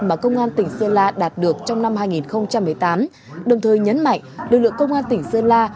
mà công an tỉnh sơn la đạt được trong năm hai nghìn một mươi tám đồng thời nhấn mạnh lực lượng công an tỉnh sơn la